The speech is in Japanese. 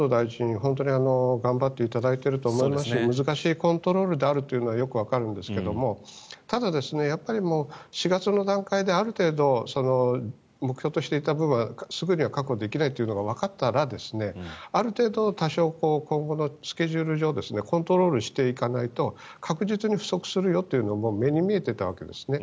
本当に頑張っていただいていると思いますし難しいコントロールであるというのはよくわかるんですがただ、４月の段階である程度目標としていた分がすぐには確保できないとわかったらある程度、多少今後のスケジュール上コントロールしていかないと確実に不足するのは目に見えていたわけですね。